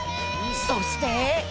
そして。